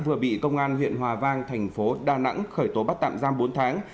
vừa bị công an huyện hòa vang thành phố đà nẵng khởi tố bắt tạm giam bốn tháng